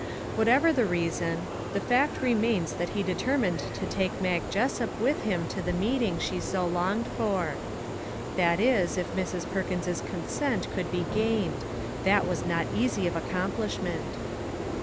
Whatever the reason, the fact remains that he determined to take Mag Jessup with him to the meeting she so longed for. That is, if Mrs. Perkins's con sent could be gained. That was not easy of accomplishment.